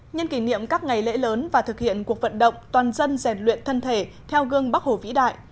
nhân kỷ niệm các ngày lễ lớn và thực hiện cuộc vận động toàn dân rèn luyện thân thể theo gương bắc hồ vĩ đại